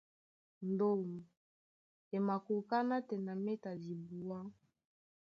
Ndôm e makoká nátɛna méta dibuá.